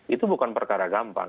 itu bukan perkara gampang